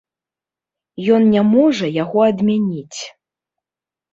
Ён не можа яго адмяніць.